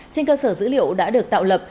trên cơ sở dữ liệu đã được tạo lập